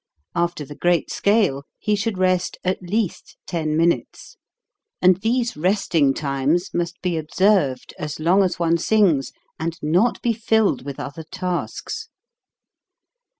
After the great scale he should rest at least ten minutes; and these resting times must be observed as long as one sings, and not be filled with other tasks.